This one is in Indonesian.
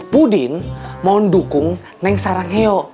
pudin mau mendukung neng saraheyo